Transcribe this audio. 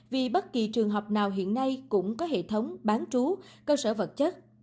vì bất kỳ trường hợp nào hiện nay cũng có hệ thống bán trú cơ sở vật chất